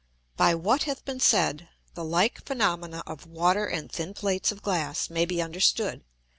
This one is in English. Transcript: By what hath been said, the like Phænomena of Water and thin Plates of Glass may be understood.